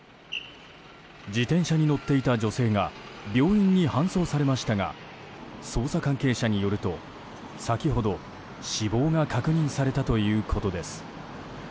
自転車に乗っていた女性が病院に搬送されましたが捜査関係者によると先ほど死亡が確認されたということです。